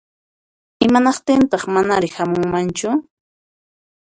Imanaqtintaq manari hamunmanchu?